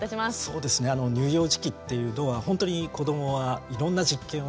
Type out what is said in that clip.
そうですね乳幼児期っていうのはほんとに子どもはいろんな実験をします。